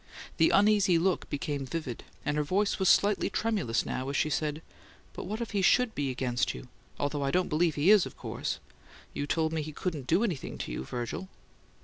The uneasy look became vivid, and her voice was slightly tremulous now, as she said, "But what if he SHOULD be against you although I don't believe he is, of course you told me he couldn't DO anything to you, Virgil."